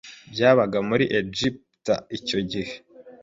byabaga muri Egiputa icyo gihe